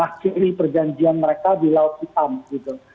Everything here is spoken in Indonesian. yang mengakhiri perjanjian mereka di laut hitam gitu